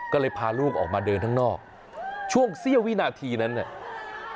ก็เลยพาลูกออกมาเดินข้างนอกช่วงเสี้ยววินาทีนั้นเนี่ย